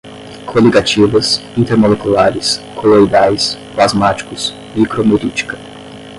coligativas, intermoleculares, coloidais, plasmáticos, micromerítica